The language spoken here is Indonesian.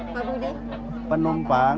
pak budi penumpang